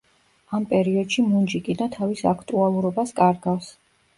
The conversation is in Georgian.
ამ პერიოდში მუნჯი კინო თავის აქტუალურობას კარგავს.